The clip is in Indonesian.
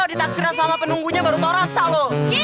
ditaksirin sama penunggunya baru tau rasa lho